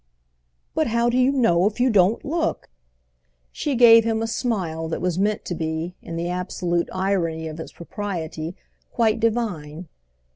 "But how do you know if you don't look?" She gave him a smile that was meant to be, in the absolute irony of its propriety, quite divine.